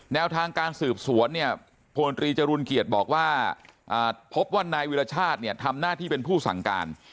แนวทางการสืบสวนพรุนเกียจบอกว่าพบว่านายวิราชาติทำหน้าที่เป็นผู้สั่งการ